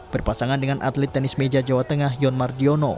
berpasangan dengan atlet tenis meja jawa tengah yon mardiono